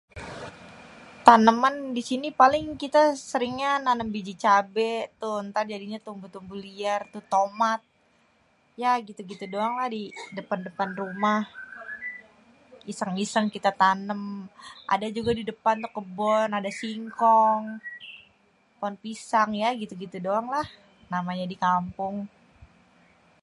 Taneman di sini paling kita seringnya nanem biji cabe tuh, ntar jadinya tumbuh-tumbuh liar tuh, tomat. Ya gitu-gitu doanglah di depan-depan rumah, iseng-iseng kita tanem. Ada juga tuh di depan tuh kebon, ada singkong, pohon pisang. Ya gitu-gitu doanglah. Namanya di kampung.